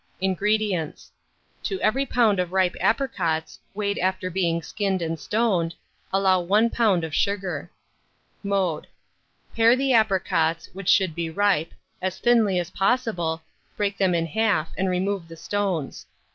INGREDIENTS. To every lb. of ripe apricots, weighed after being skinned and stoned, allow 1 lb. of sugar. Mode. Pare the apricots, which should be ripe, as thinly as possible, break them in half, and remove the stones.